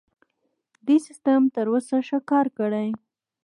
دې سیستم تر اوسه ښه کار کړی.